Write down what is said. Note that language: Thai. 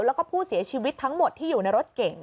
แล้วก็ผู้เสียชีวิตทั้งหมดที่อยู่ในรถเก่ง